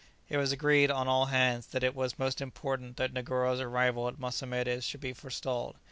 It was agreed on all hands that it was most important that Negoro's arrival at Mossamedes should be forestalled.